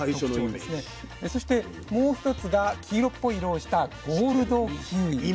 そしてもう一つが黄色っぽい色をしたゴールドキウイ。